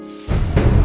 aku akan menjaga dia